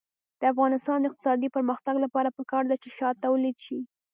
د افغانستان د اقتصادي پرمختګ لپاره پکار ده چې شات تولید شي.